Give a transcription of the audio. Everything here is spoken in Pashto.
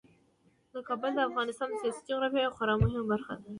کابل د افغانستان د سیاسي جغرافیې یوه خورا مهمه برخه ده.